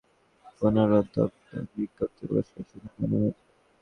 তাই দরপত্র প্রক্রিয়া বাতিল, পুনঃদরপত্র বিজ্ঞপ্তি প্রকাশ করার সিদ্ধান্ত নেওয়া হয়েছে।